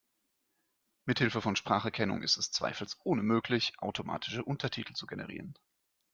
Mithilfe von Spracherkennung ist es zweifelsohne möglich, automatische Untertitel zu generieren.